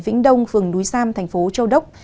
vĩnh đông phường núi sam thành phố châu đốc